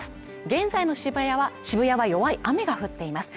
現在の渋谷は弱い雨が降っています